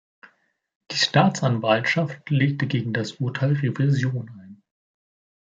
Die Staatsanwaltschaft legte gegen das Urteil Revision ein.